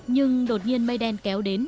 nhưng đột nhiên mây đen kéo đến